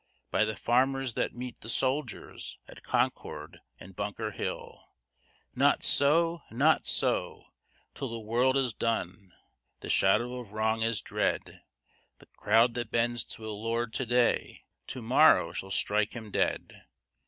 By the farmers that met the soldiers at Concord and Bunker Hill! Not so! not so! Till the world is done, the shadow of wrong is dread; The crowd that bends to a lord to day, to morrow shall strike him dead.